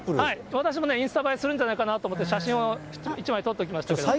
私もインスタ映えするんじゃないかと思って、写真を１枚撮っておきましたけど。